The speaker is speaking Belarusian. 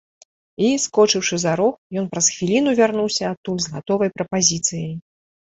І, скочыўшы за рог, ён праз хвіліну вярнуўся адтуль з гатовай прапазіцыяй.